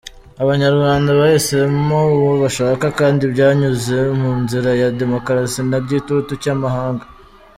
Abanyarwanda bahisemo uwo bashaka, kandi byanyuze mu nzira ya demokarasi, nta gitutu cy’amahanga.